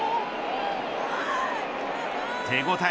手応え